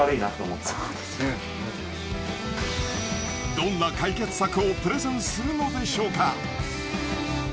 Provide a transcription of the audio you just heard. どんな解決策をプレゼンするのでしょうか？